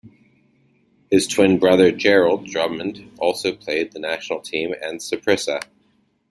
His twin brother, Gerald Drummond, also played for the national team and Saprissa.